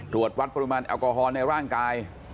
ตรวจวัดปริมาณแอลกอฮอล์ในร่างกาย